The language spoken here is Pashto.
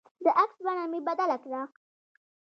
د عکس بڼه مې بدله کړه.